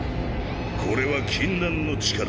これは禁断の力